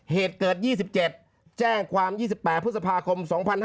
เหตุเกิด๒๗แจ้งความ๒๘พฤษภาคม๒๕๕๙